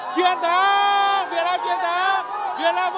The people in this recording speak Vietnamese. chiến thắng việt nam chiến thắng việt nam vô địch nha